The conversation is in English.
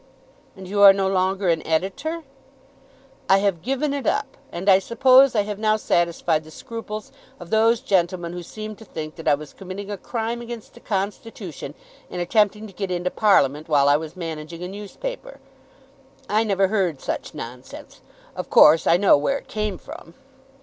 "And you are no longer an editor?" "I have given it up, and I suppose I have now satisfied the scruples of those gentlemen who seemed to think that I was committing a crime against the Constitution in attempting to get into Parliament while I was managing a newspaper. I never heard such nonsense. Of course I know where it came from."